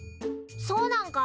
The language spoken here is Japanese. そうなんか？